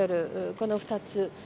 この２つ。